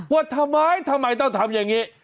ว่าทำไมทำไมต้องทำอย่างนี้